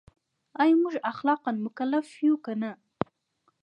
ایا موږ اخلاقاً مکلف یو که نه؟